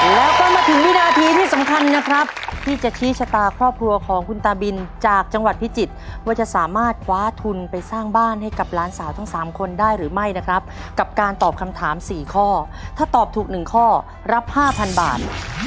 แล้วก็มาถึงวินาทีที่สำคัญนะครับที่จะชี้ชะตาครอบครัวของคุณตาบินจากจังหวัดพิจิตรว่าจะสามารถคว้าทุนไปสร้างบ้านให้กับหลานสาวทั้ง๓คนได้หรือไม่นะครับกับการตอบคำถาม๔ข้อถ้าตอบถูก๑ข้อรับ๕๐๐บาท